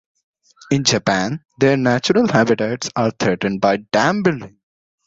In Japan, their natural habitats are threatened by dam-building.